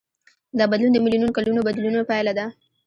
دا بدلون د میلیونونو کلونو بدلونونو پایله وه.